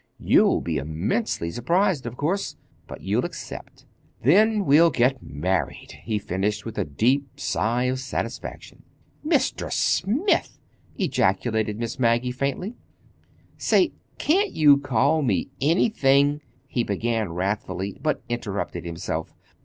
You'll be immensely surprised, of course, but you'll accept. Then we'll get married," he finished with a deep sigh of satisfaction. "Mr. Smith!" ejaculated Miss Maggie faintly. "Say, can't you call me anything—" he began wrathfully, but interrupted himself.